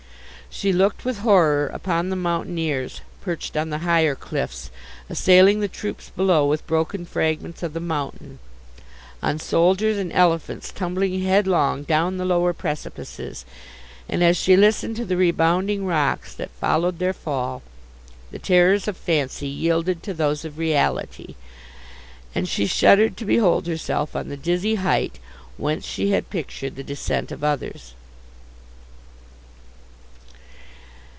She looked with horror upon the mountaineers, perched on the higher cliffs, assailing the troops below with broken fragments of the mountain; on soldiers and elephants tumbling headlong down the lower precipices; and, as she listened to the rebounding rocks, that followed their fall, the terrors of fancy yielded to those of reality, and she shuddered to behold herself on the dizzy height, whence she had pictured the descent of others.